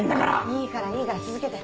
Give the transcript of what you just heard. いいからいいから続けて。